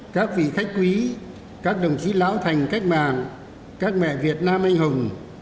các vị khách quý các đồng chí lão thành cách mạng các mẹ việt nam anh hùng